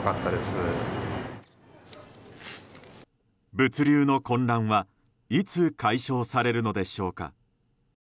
物流の混乱はいつ解消されるのでしょうか。